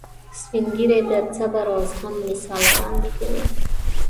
سپین ږیری د صبر او زغم مثال وړاندې کوي